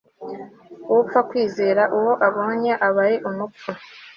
upfa kwizera uwo abonye aba ari umupfu